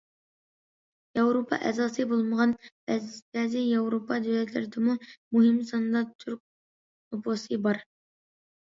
ياۋروپا ئەزاسى بولمىغان بەزى ياۋروپا دۆلەتلىرىدىمۇ مۇھىم ساندا تۈرك نوپۇسى بار.